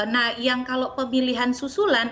nah yang kalau pemilihan susulan